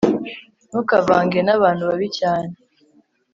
Ntukavange nabantu babi cyanne